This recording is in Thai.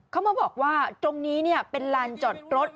เขามาบอกว่าตรงนี้เป็นลานจอดรถ